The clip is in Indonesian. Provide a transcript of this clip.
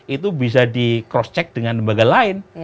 itu bisa di cross check dengan lembaga lain